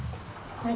はい。